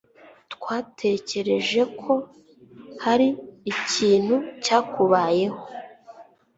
Twatekereje ko hari ikintu cyakubayeho.